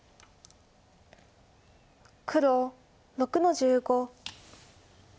黒６の十五。